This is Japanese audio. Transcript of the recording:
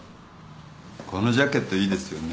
このジャケットいいですよね。